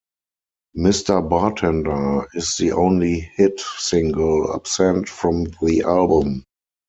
"Mr. Bartender" is the only hit single absent from the album.